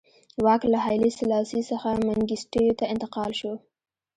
واک له هایلي سلاسي څخه منګیسټیو ته انتقال شو.